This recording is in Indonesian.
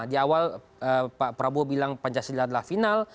di awal pak prabowo bilang pancasila adalah final